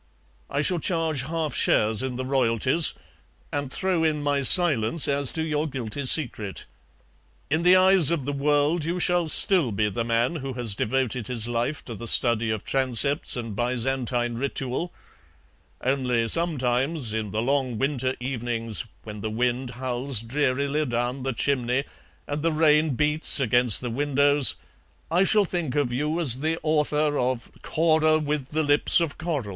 I shall charge half shares in the royalties, and throw in my silence as to your guilty secret. In the eyes of the world you shall still be the man who has devoted his life to the study of transepts and Byzantine ritual; only sometimes, in the long winter evenings, when the wind howls drearily down the chimney and the rain beats against the windows, I shall think of you as the author of 'Cora with the lips of coral.'